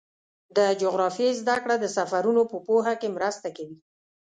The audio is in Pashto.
د جغرافیې زدهکړه د سفرونو په پوهه کې مرسته کوي.